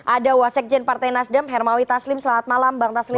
ada wasekjen partai nasdem hermawi taslim selamat malam bang taslim